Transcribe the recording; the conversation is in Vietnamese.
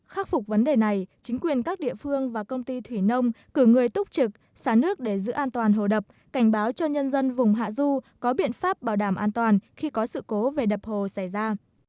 khắc phục vấn đề này chính quyền các địa phương và công ty thủy nông cử người túc trực xả nước để giữ an toàn hồ đập cảnh báo cho nhân dân vùng hạ du có biện pháp bảo đảm an toàn khi có sự cố về đập hồ xảy ra